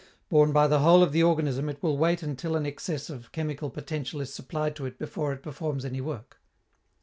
Borne by the whole of the organism, it will wait until an excess of chemical potential is supplied to it before it performs any work.